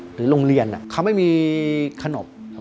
หรือโรงเรียนเขาไม่มีขนบ